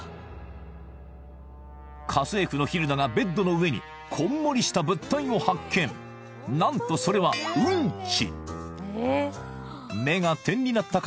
家政婦のヒルダがベッドの上にこんもりした物体を発見何とそれはうんち目が点になった